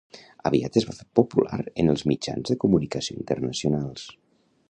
Aviat es va fer popular en els mitjans de comunicació internacionals.